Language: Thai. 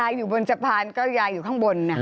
ใอยอยู่บนจะพานยายอยู่ข้างบนน่ะ